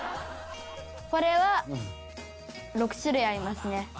「これは６種類ありますね」